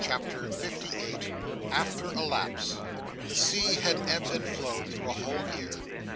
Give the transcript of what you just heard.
CHAPTER LVIII. After a Lapse The sea had ebbed and flowed, through a whole year.